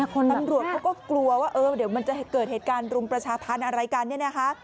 ตำรวจเขาก็กลัวว่าเดี๋ยวมันจะเกิดเหตุการณ์รุมประชาภัณฑ์อะไรกัน